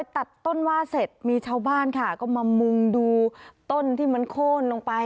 ตัดต้นว่าเสร็จมีชาวบ้านค่ะก็มามุ่งดูต้นที่มันโค้นลงไป